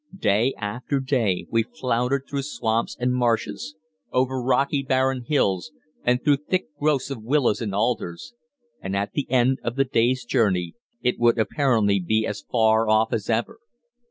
Day after day we floundered through swamps and marshes, over rocky, barren hills, and through thick growths of willows and alders, and at the end of the day's journey it would apparently be as far off as ever.